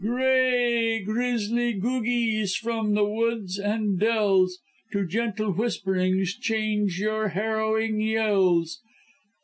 Grey, grizzly googies from the woods and dells, To gentle whisperings change your harrowing yells.